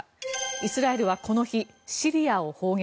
イスラエルはこの日シリアを砲撃。